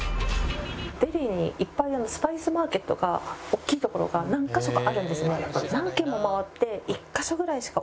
デリーにいっぱいスパイスマーケットが大きい所が何カ所かあるんですね。